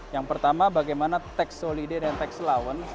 yang pertama bagaimana tax solide dan tax allowance